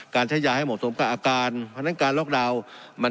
ใช้ยาให้เหมาะสมกับอาการเพราะฉะนั้นการล็อกดาวน์